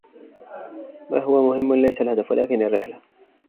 ما هو مهم ليس الهدف, ولكن الرحلة.